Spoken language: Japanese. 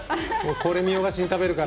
これ見よがしに食べるから。